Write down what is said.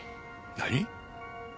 何？